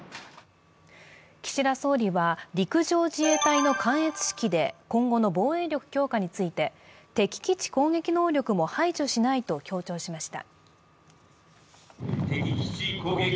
岸田総理は、陸上自衛隊の観閲式で今後の防衛力強化について、敵基地攻撃能力も排除しないと強調しました。